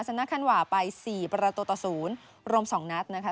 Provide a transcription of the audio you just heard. สนับขั้นหว่าไปสี่ประตูต่อศูนย์รวมสองนัดนะคะ